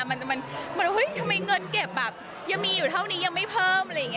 มันจะมีเงินเก็บยังมีอยู่เท่านี้ยังไม่เพิ่ม